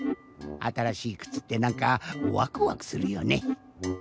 あたらしいくつってなんかワクワクするよね。